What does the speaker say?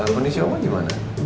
kondisi oma gimana